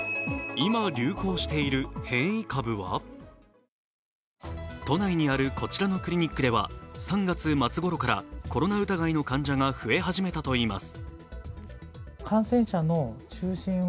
まずは都内にあるこちらのクリニックでは３月末ごろからコロナ疑いの患者が増え始めたといいます。